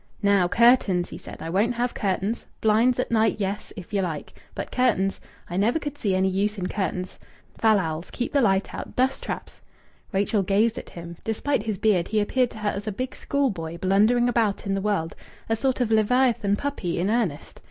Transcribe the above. "Now curtains!" he said. "I won't have curtains. Blinds, at night, yes, if you like. But curtains! I never could see any use in curtains. Fallals! Keep the light out! Dust traps!" Rachel gazed at him. Despite his beard, he appeared to her as a big schoolboy, blundering about in the world, a sort of leviathan puppy in earnest.